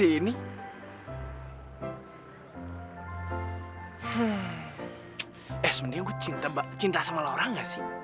eh buzit ikut dong mereka kalian sekarang